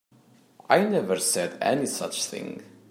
I never said any such thing.